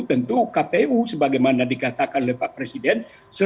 tentu kpu sebagaimana dikatakan oleh pak presiden